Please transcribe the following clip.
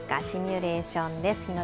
シミュレーションです。